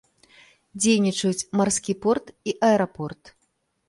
Дзейнічаюць марскі порт і аэрапорт.